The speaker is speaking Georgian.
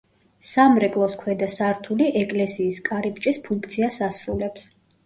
სამრეკლოს ქვედა სართული ეკლესიის კარიბჭის ფუნქციას ასრულებს.